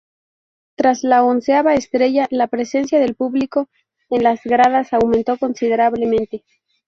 Tras la onceava estrella la presencia del público en las gradas aumentó considerablemente.